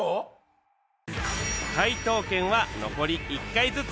解答権は残り１回ずつ